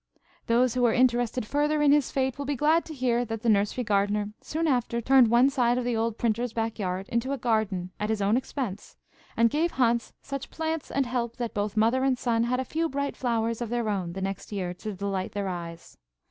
Those who are interested further in his fate will be glad to hear that the nursery gardener soon after turned one side of the old printer's back yard into a garden, at his own expense, and gave Hans such plants and help that both mother and son had a few bright flowers of their own the next year to delight their eyes.